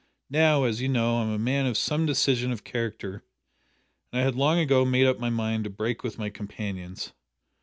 Now, as you know, I'm a man of some decision of character, and I had long ago made up my mind to break with my companions.